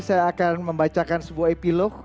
saya akan membacakan sebuah epilog